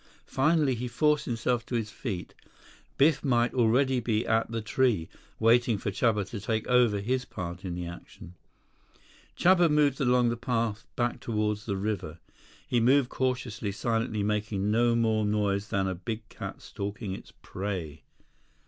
Finally, he forced himself to his feet. Biff might already be at the tree, waiting for Chuba to take over his part in the action. 88 Chuba moved along the path back toward the river. He moved cautiously, silently, making no more noise than a big cat stalking its prey.